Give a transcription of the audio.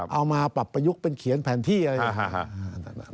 เอามาปรับประยุกต์เป็นเขียนแผนที่อะไรอย่างนี้